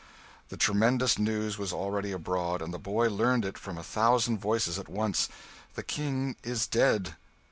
The tremendous news was already abroad, and the boy learned it from a thousand voices at once "The King is dead!"